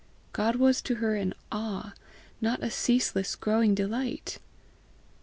God was to her an awe, not a ceaseless, growing delight!